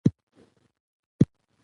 د اعتماد ماتېدل اسانه دي